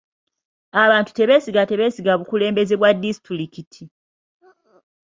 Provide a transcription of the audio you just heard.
Abantu tebeesiga tebeesiga bukulembeze bwa disitulikiti.